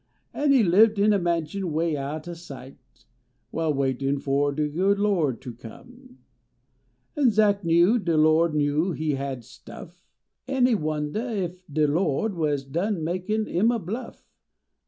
En he lived in a mansion way out o sight While waitiif fo de Lo d ter come. En Zach knew de Lo d knew he had stuff En he wondah d ef de Lo d was dun makin im a bluff.